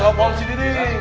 sopong si diri